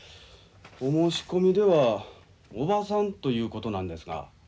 お申し込みではおばさんということなんですが。